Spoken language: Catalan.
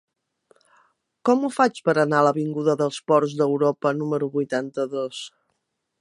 Com ho faig per anar a l'avinguda dels Ports d'Europa número vuitanta-dos?